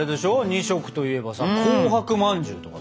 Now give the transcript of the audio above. ２色といえばさ紅白まんじゅうとかさ。